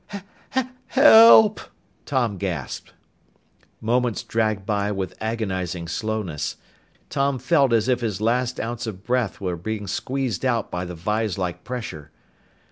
"H h help!" Tom gasped. Moments dragged by with agonizing slowness. Tom felt as if his last ounce of breath were being squeezed out by the viselike pressure.